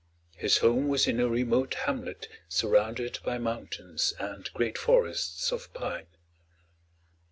His home was in a remote hamlet surrounded by mountains and great forests of pine.